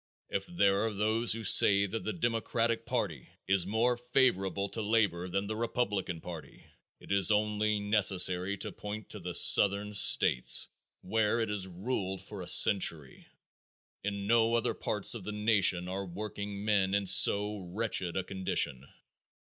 If there are those who say that the democratic party is more favorable to labor than the republican party it is only necessary to point to the southern states where it has ruled for a century. In no other part of the nation are workingmen in so wretched a condition.